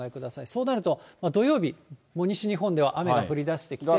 そうなると、土曜日、西日本では雨が降りだしてきて。